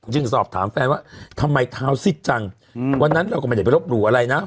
จึงสอบถามแฟนว่าทำไมเท้าซิดจังวันนั้นเราก็ไม่ได้ไปรบหลู่อะไรนะ